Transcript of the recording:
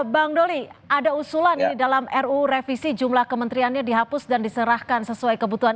bang doli ada usulan dalam ru revisi jumlah kementeriannya dihapus dan diserahkan sesuai kebutuhan